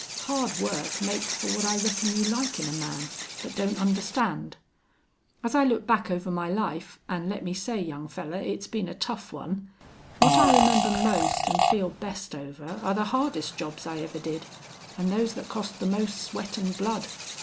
Hard work makes for what I reckon you like in a man, but don't understand. As I look back over my life an' let me say, young fellar, it's been a tough one what I remember most an' feel best over are the hardest jobs I ever did, an' those that cost the most sweat an' blood."